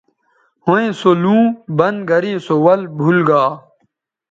ھویں سو لُوں بند گرے سو ول بُھول گا